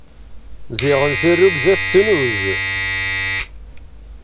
Ziɣen tirrugza tettnuz.